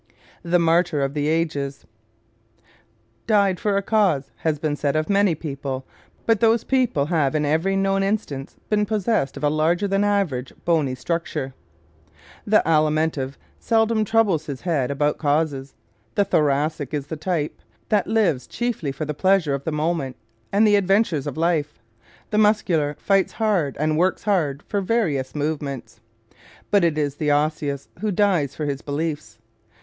The Martyr of the Ages ¶ "Died for a cause" has been said of many people, but those people have in every known instance been possessed of a larger than average bony structure. ¶ The pure Alimentive seldom troubles his head about causes. The Thoracic is the type that lives chiefly for the pleasure of the moment and the adventures of life. The Muscular fights hard and works hard for various movements. But it is the Osseous who dies for his beliefs.